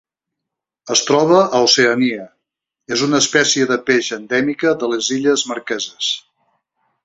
Es troba a Oceania: és una espècie de peix endèmica de les Illes Marqueses.